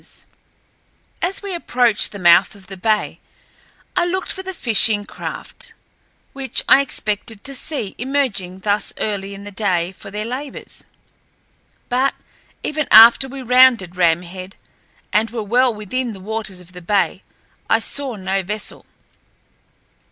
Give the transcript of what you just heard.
As we approached the mouth of the bay I looked for the fishing craft which I expected to see emerging thus early in the day for their labors. But even after we rounded Ram Head and were well within the waters of the bay I saw no vessel.